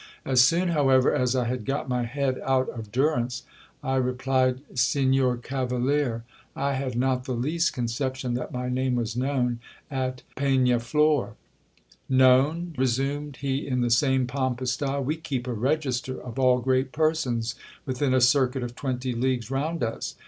As soon, however, as I had got my head out of durance, I replied, Sig DUPED BY A PARASITE. 5 nor cavalier, I had not the least conception that my name was known at Penag ilor. Known ? resumed he in the same pompous style ; we keep a register of all great persons within a circuit of twenty leagues round us.